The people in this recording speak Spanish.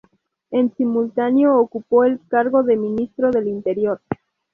En simultáneo ocupó el cargo de ministro del interior.